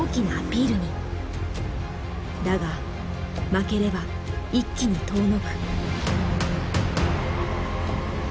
だが負ければ一気に遠のく。